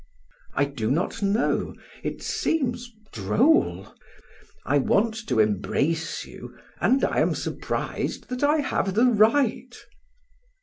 "I do not know. It seems droll. I want to embrace you and I am surprised that I have the right."